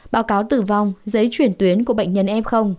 báo cáo tử vong giấy chuyển tuyến của bệnh nhân em